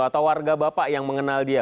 atau warga bapak yang mengenal dia